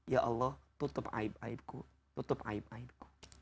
ya allah tutupi aib aibku tutupi aib aibku